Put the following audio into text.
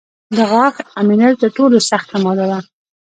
د غاښ امینل تر ټولو سخته ماده ده.